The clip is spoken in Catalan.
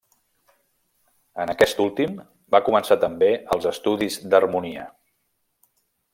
En aquest últim va començar també els estudis d'harmonia.